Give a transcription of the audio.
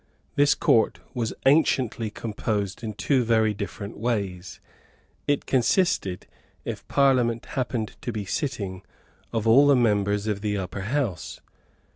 This Court was anciently composed in two very different ways. It consisted, if Parliament happened to be sitting, of all the members of the Upper House.